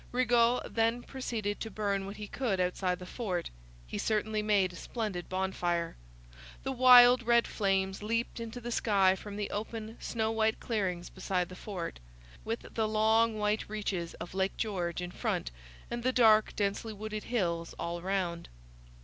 Rigaud then proceeded to burn what he could outside the fort. He certainly made a splendid bonfire; the wild, red flames leaped into the sky from the open, snow white clearings beside the fort, with the long, white reaches of Lake George in front and the dark, densely wooded hills all round.